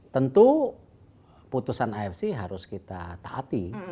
tentu putusan afc harus kita taati